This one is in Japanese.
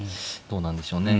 どうなんでしょうね。